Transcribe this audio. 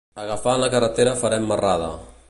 Agafant la carretera farem marrada.